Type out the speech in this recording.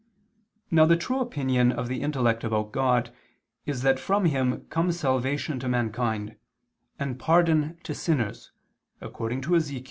Now the true opinion of the intellect about God is that from Him comes salvation to mankind, and pardon to sinners, according to Ezech.